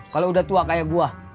kalau udah tua kayak buah